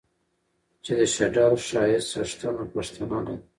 چې د شډل ښايست څښتنه پښتنه نه ده